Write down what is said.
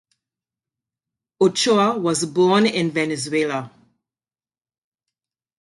Ochoa was born in Venezuela.